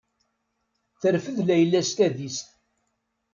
Terfed Layla s tadist.